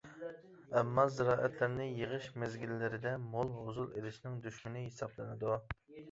ئەمما، زىرائەتلەرنى يىغىش مەزگىللىرىدە مول ھوسۇل ئېلىشنىڭ دۈشمىنى ھېسابلىنىدۇ.